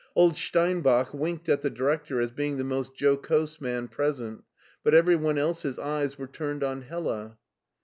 Old Stein bach winked at the director as being the most jocose man present, but every one else's eyes were turned on Hella.